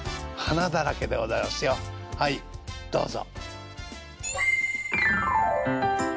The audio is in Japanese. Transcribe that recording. はいどうぞ。